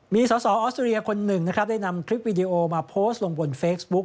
มีสาวออสเตรเลียคนหนึ่งนะครับได้นำคลิปวิดีโอมาโพสต์ลงบนเฟซบุ๊ก